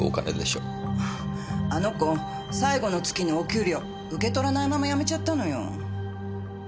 あの子最後の月のお給料受け取らないまま辞めちゃったのよ。